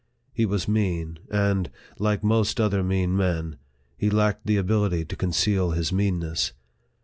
He was mean ; and, like most other mean men, he lacked the ability to conceal his meanness.